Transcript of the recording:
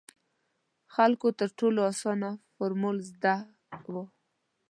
خلکو تر ټولو اسانه فارمول زده وو.